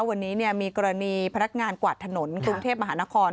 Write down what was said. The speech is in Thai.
วันนี้มีกรณีพนักงานกวาดถนนกรุงเทพมหานคร